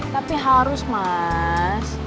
tapi harus mas